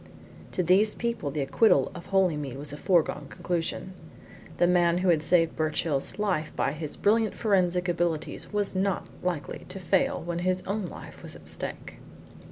To these people the acquittal of Holymead was a foregone conclusion. The man who had saved Birchill's life by his brilliant forensic abilities was not likely to fail when his own life was at stake.